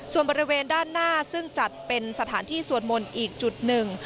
ส่วนบริเวณด้านหน้าซึ่งจัดเป็นสถานที่สวดมนต์อีกจุดหนึ่ง